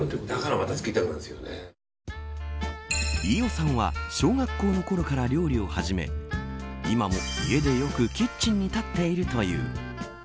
飯尾さんは小学校のころから料理を始め今も、家でよくキッチンに立っているという。